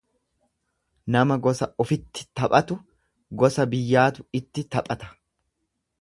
Nama gosa ufitti taphatu gosa biyyaatu itti taphata.